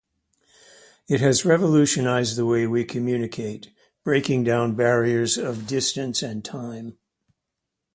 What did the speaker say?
It has revolutionized the way we communicate, breaking down barriers of distance and time.